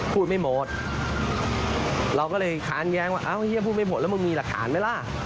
พูดไม่หมดเราก็เลยค้านแย้งว่าอ้าวเฮียพูดไม่หมดแล้วมึงมีหลักฐานไหมล่ะ